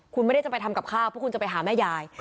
คุณไม่ได้จะไปทำกับข้าวเพราะคุณจะไปหาแม่ยาย